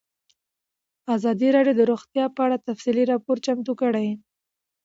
ازادي راډیو د روغتیا په اړه تفصیلي راپور چمتو کړی.